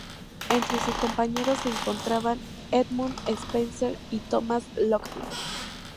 Entre sus compañeros se encontraban Edmund Spenser y Thomas Lodge.